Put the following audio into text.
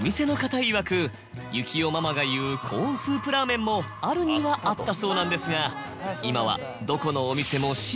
いわく幸代ママが言うコーンスープラーメンもあるにはあったそうなんですが今はどこのお店も。